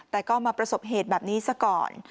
แต่ก็มาประสบเหตุแบบนี้ซะก่อน